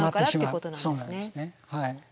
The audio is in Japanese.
そうなんですねはい。